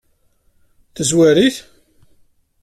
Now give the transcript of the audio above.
Tezwar-it?